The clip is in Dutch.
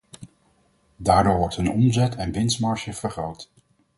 Daardoor wordt hun omzet en winstmarge vergroot.